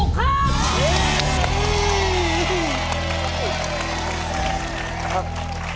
ครับ